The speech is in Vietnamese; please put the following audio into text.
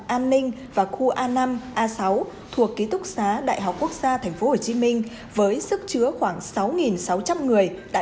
an ninh và khu a năm a sáu thuộc ký túc xá đại học quốc gia tp hcm với sức chứa khoảng sáu sáu trăm linh người đã